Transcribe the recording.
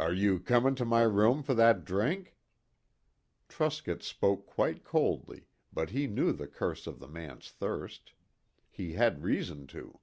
"Are you coming to my room for that drink?" Truscott spoke quite coldly, but he knew the curse of the man's thirst. He had reason to.